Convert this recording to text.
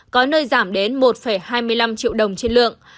có nơi giảm đến một hai mươi năm triệu đồng trên lượng